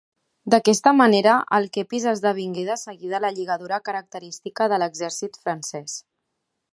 D'aquesta manera, el quepis esdevingué de seguida la lligadura característica de l'exèrcit francès.